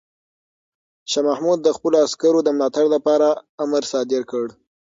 شاه محمود د خپلو عسکرو د ملاتړ لپاره امر صادر کړ.